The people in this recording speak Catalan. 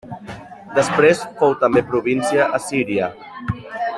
Després fou també província assíria.